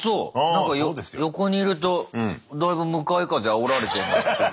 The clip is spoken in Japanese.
なんか横にいるとだいぶ向かい風あおられてんな。